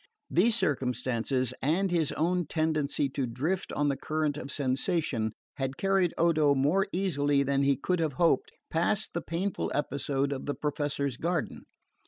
These circumstances, and his own tendency to drift on the current of sensation, had carried Odo more easily than he could have hoped past the painful episode of the Professor's garden.